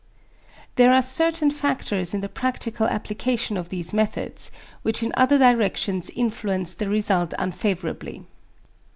There are certain factors in the practical application of these methods, which in other directions influence the result unfavourably.